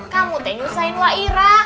kamu teh nyusahin lah ira